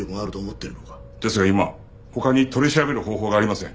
ですが今他に取り調べる方法がありません。